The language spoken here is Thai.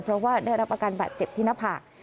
เพราะว่าเรียกนาประกันบัตรเจ็บที่หน้าผ่า